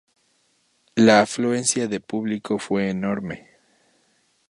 La afluencia de público fue enorme.